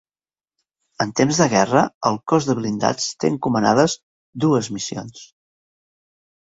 En temps de guerra, el Cos de Blindats té encomanades dues missions.